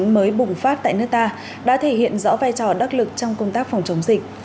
mới bùng phát tại nước ta đã thể hiện rõ vai trò đắc lực trong công tác phòng chống dịch